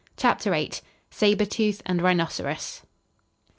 CHAPTER VIII. SABRE TOOTH AND RHINOCEROS.